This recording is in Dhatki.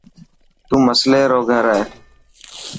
تون مصلي لو گھر هي.